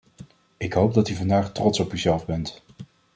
Ik hoop dat u vandaag trots op uzelf bent.